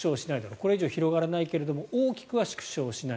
これ以上は広がらないけど大きくは縮小しない。